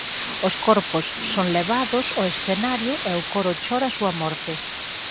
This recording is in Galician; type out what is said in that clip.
Os corpos son levados ó escenario e o coro chora a súa morte.